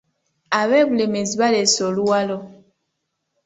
Ab’e Bulemeezi baleese oluwalo.